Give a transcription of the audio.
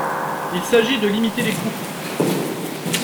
Il s'agit de limiter les coûts.